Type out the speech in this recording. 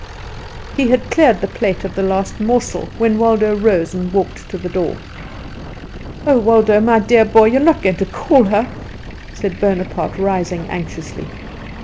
He had cleared the plate of the last morsel, when Waldo rose and walked to the door. "Oh, Waldo, my dear boy, you are not going to call her," said Bonaparte, rising anxiously.